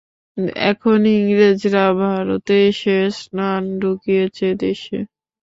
এখন ইংরেজরা ভারতে এসে স্নান ঢুকিয়েছে দেশে।